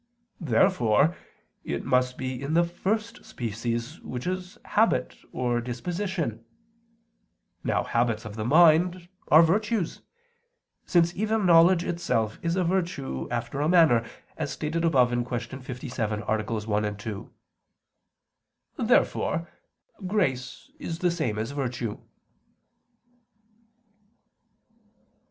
Therefore it must be in the first species which is "habit" or "disposition." Now habits of the mind are virtues; since even knowledge itself is a virtue after a manner, as stated above (Q. 57, AA. 1, 2). Therefore grace is the same as virtue.